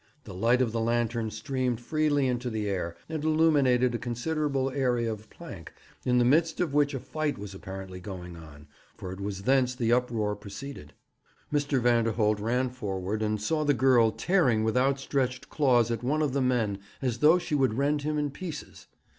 The light of the lantern streamed freely into the air, and illuminated a considerable area of plank, in the midst of which a fight was apparently going on, for it was thence the uproar proceeded. Mr. Vanderholt ran forward, and saw the girl tearing with outstretched claws at one of the men as though she would rend him in pieces.